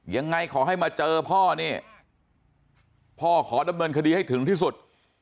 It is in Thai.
ยังไงขอให้มาเจอพ่อนี่พ่อขอดำเนินคดีให้ถึงที่สุด